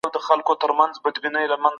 دغه حاجي چي دی د جنګ دپاره هیڅ ځای نلري.